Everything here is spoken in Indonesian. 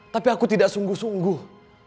tapi aku tidak sungguh sungguh